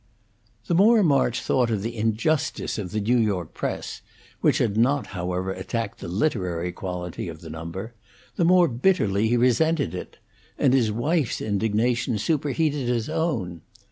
The more March thought of the injustice of the New York press (which had not, however, attacked the literary quality of the number) the more bitterly he resented it; and his wife's indignation superheated his own.